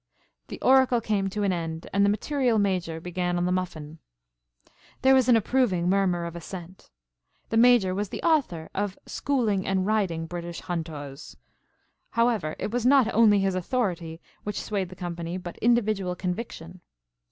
The oracle came to an end and the material Major began on the muffin. There was an approving murmur of assent. The Major was the author of "Schooling and Riding British Hunters;" however, it was not only his authority which swayed the company, but individual conviction.